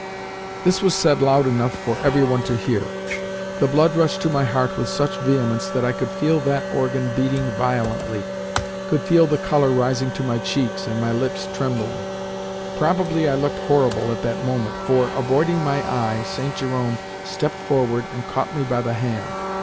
This was said loud enough for every one to hear. The blood rushed to my heart with such vehemence that I could feel that organ beating violently—could feel the colour rising to my cheeks and my lips trembling. Probably I looked horrible at that moment, for, avoiding my eye, St. Jerome stepped forward and caught me by the hand.